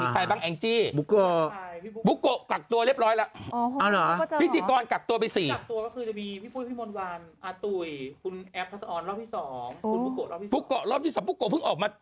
สวัสดีครับข้าวใส่ไข่สดใหม่ให้เยอะ